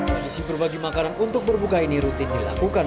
tradisi berbagi makanan untuk berbuka ini rutin dilakukan